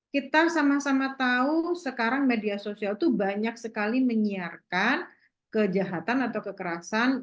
kita sama sama tahu sekarang media sosial itu banyak sekali menyiarkan kejahatan atau kekerasan